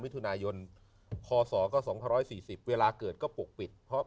มองสูงนั่นจะเป็นเหมือนมองสูง